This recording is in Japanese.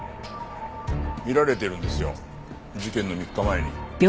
見られてるんですよ事件の３日前に。